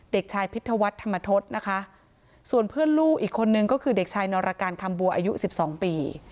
เด็กชายพิธวัฒน์ธรรมทศนะคะส่วนเพื่อนลูกอีกคนนึงก็คือเด็กชายนรการคำบัวอายุสิบสองปี